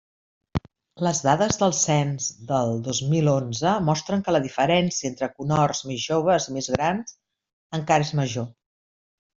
Les dades del cens del dos mil onze mostren que la diferència entre cohorts més joves i més grans encara és major.